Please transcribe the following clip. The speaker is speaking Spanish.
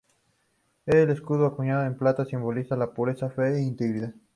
El escudo acuñado en plata, simbolizaba la pureza, fe e integridad.